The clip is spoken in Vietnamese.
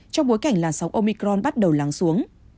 trong bối cảnh làn sóng omicron bắt đầu lắng xuống